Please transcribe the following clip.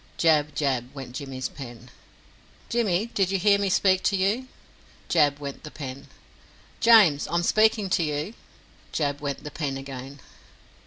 Jab, jab, went Jimmy's pen. "Jimmy, did you hear me speak to you?" Jab went the pen. "James, I am speaking to you!" Jab went the pen again.